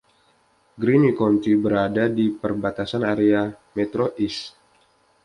Greeny County berada di perbatasan area Metro East.